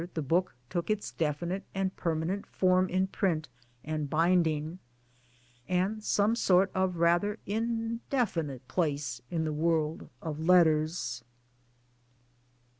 the book took its definite and permanent form in print and binding, and some sort of rather indefinite place in the world of letters.